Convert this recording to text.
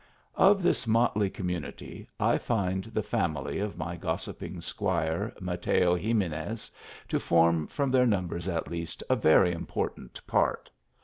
Of J his motley community I find the family of my gossiping squiie Mateo Ximenes to form, from their numbers at least, a very important part.